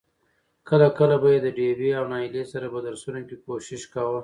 کله کله به يې د ډېوې او نايلې سره په درسونو کې کوشش کاوه.